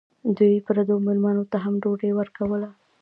دوی پردو مېلمنو ته هم ډوډۍ ورکوله.